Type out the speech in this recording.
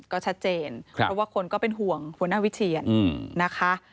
ก็ชัดเจนเพราะว่าคนก็เป็นห่วงหัวหน้าวิเชียนนะคะ